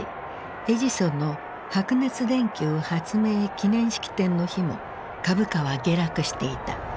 エジソンの白熱電球発明記念式典の日も株価は下落していた。